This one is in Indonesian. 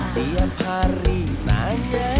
tiap hari nanya aku